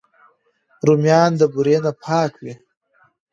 رومیان د بورې نه پاک وي